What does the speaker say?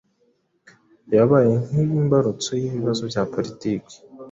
yabaye nk'imbarutso y'ibibazo bya politiki